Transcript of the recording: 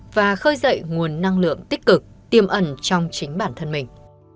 và khơi dậy nguồn năng lượng tích cực tiêm ẩn trong chính bản thân mình